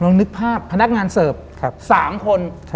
นึกภาพพนักงานเสิร์ฟ๓คน